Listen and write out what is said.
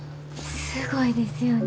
すごいですよね。